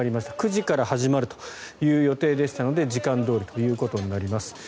９時から始まるという予定でしたので時間どおりということになります。